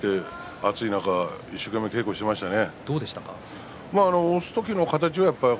暑い中一生懸命、稽古をしましたよ。